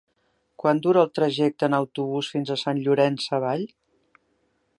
Quant dura el trajecte en autobús fins a Sant Llorenç Savall?